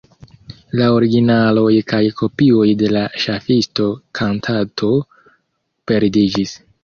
La originaloj kaj kopioj de la ŝafisto-kantato perdiĝis.